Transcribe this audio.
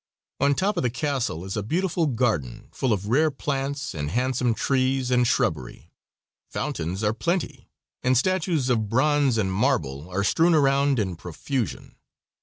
On top of the castle is a beautiful garden, full of rare plants and handsome trees and shrubbery. Fountains are plenty, and statues of bronze and marble are strewn around in profusion.